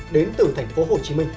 đến từ thành phố hồ chí minh